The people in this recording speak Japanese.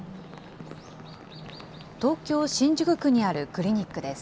東京・新宿区にあるクリニックです。